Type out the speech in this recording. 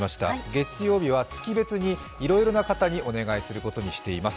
月曜日は月別にいろいろな方にお願いすることにしています。